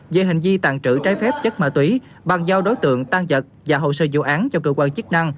về hình di tàn trữ trái phép chất ma túy bằng giao đối tượng tăng giật và hồ sơ dụ án cho cơ quan chức năng